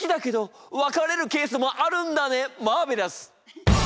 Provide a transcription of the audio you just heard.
マーベラス！